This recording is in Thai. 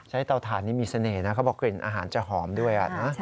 เตาถ่านนี้มีเสน่ห์นะเขาบอกกลิ่นอาหารจะหอมด้วยนะ